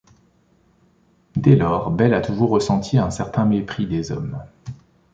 Dès lors, Belle a toujours ressenti un certain mépris des hommes.